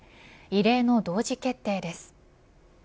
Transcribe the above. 異例の同時決定です。